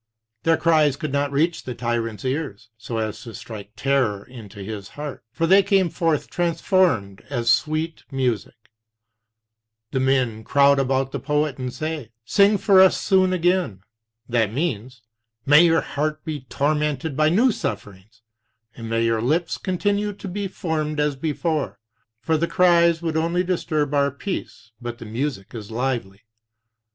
Their cries could not reach the tyrant's ears so as to strike terror into his heart, for they came forth transformed as sweet music. And men crowd about the poet and say: Sing for us soon again. That means: May your heart be tormented by new sufferings, and may your lips continue to be formed as before; for the cries would only disturb our peace, but the music is lively.